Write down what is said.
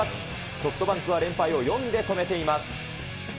ソフトバンクは連敗を４で止めています。